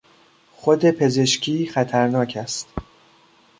خود پزشکی خطرناک است.